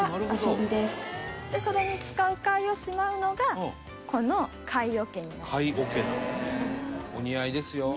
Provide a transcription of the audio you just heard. それに使う貝をしまうのがこの貝桶になります。